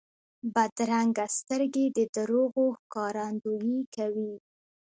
بدرنګه سترګې د دروغو ښکارندویي کوي